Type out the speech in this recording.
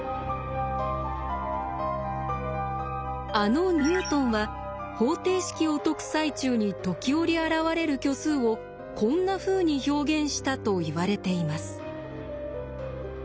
あのニュートンは方程式を解く最中に時折現れる虚数をこんなふうに表現したといわれています。